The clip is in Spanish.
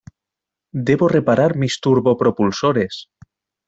Debo reparar mis turbopropulsores.